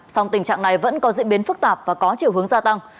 song tình trạng này vẫn có diễn biến phức tạp và có chiều hướng gia tăng